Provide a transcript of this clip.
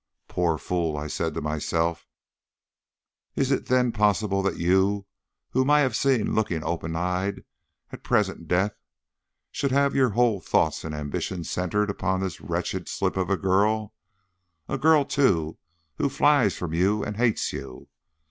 "Poor fool," I said to myself, "is it then possible that you, whom I have seen looking open eyed at present death, should have your whole thoughts and ambition centred upon this wretched slip of a girl a girl, too, who flies from you and hates you.